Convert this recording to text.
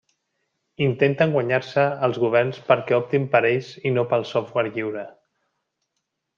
Intenten guanyar-se els governs perquè optin per ells i no pel software lliure.